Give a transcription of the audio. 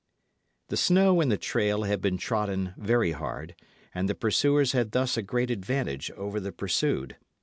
The snow in the trail had been trodden very hard, and the pursuers had thus a great advantage over the pursued.